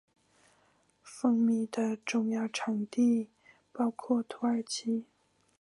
蜂蜜的重要产地包括土耳其。